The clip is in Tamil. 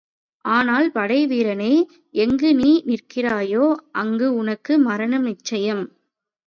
ஆனால் படைவீரனே எங்கு நீ நிற்கிறாயோ அங்கே உனக்கு மரணம் நிச்சயம்.